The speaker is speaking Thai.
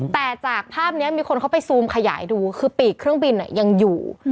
แต่จากภาพนี้มีคนเขาไปซูมขยายดูคือปีกเครื่องบินยังอยู่